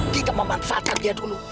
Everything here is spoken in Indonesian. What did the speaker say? kita memanfaatkan dia dulu